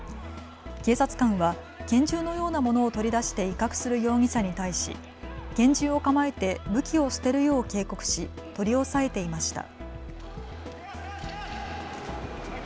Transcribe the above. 警察官は拳銃のようなものを取り出して威嚇する容疑者に対し拳銃を構えて武器を捨てるよう警告し取り押さえていました。